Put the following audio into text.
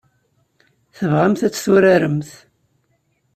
Tebɣamt ad tt-turaremt?